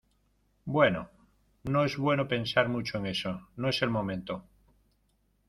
bueno, no es bueno pensar mucho en eso , no es el momento.